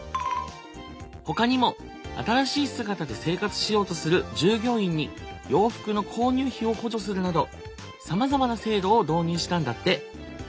ほかにも新しい姿で生活しようとする従業員に洋服の購入費を補助するなどさまざまな制度を導入したんだって。